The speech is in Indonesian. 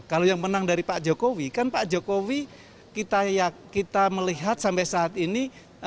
kalau yang menang dari pak jokowi kan pak jokowi kita melihat sampai saat ini